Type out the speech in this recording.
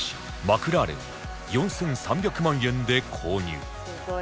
マクラーレンを４３００万円で購入